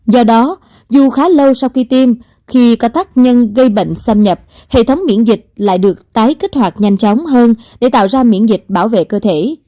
do đó dù khá lâu sau khi tiêm khi có tác nhân gây bệnh xâm nhập hệ thống miễn dịch lại được tái kích hoạt nhanh chóng hơn để tạo ra miễn dịch bảo vệ cơ thể